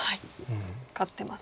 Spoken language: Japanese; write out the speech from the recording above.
勝ってます。